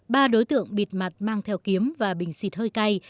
ba đối tượng bịt mặt mang theo kiếm và bình xịt hơi cay